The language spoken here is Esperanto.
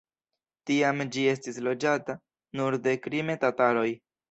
Tiam ĝi estis loĝata nur de krime-tataroj.